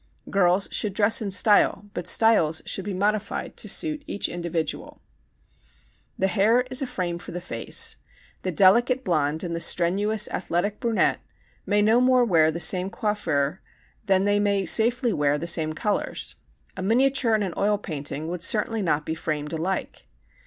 Girls should dress in style but styles should be modified to suit each individual. The hair is a frame for the face. The delicate blonde and the strenuous athletic brunette may no more wear the same coiffure than they may safely wear the same colors. A miniature and an oil painting would certainly not be framed alike.